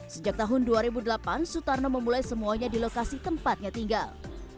sejak tahun dua ribu delapan sutarno memulai semuanya di lokasi tempatnya tinggal